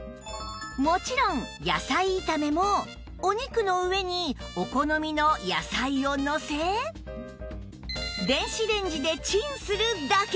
もちろん野菜炒めもお肉の上にお好みの野菜をのせ電子レンジでチンするだけ！